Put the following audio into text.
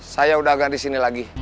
saya udah ganti sini lagi